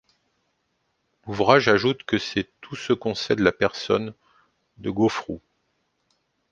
L'ouvrage ajoute que c'est tout ce qu'on sait de la personne de Goufrou.